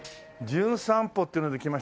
『じゅん散歩』っていうので来ました